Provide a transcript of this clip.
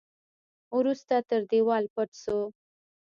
وروسته تر دېوال پټ شو.